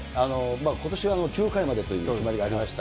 ことしは９回までという決まりがありました。